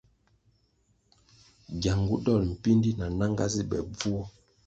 Giangu dol mpíndí na nanga zi be bvuo.